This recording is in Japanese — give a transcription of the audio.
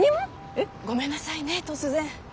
ごめんなさいね突然。